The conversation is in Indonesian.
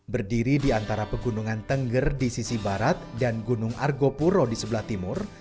berdiri di antara pegunungan tengger di sisi barat dan gunung argopuro di sebelah timur